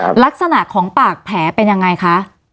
ลักษณะของปากแผลเป็นยังไงคะ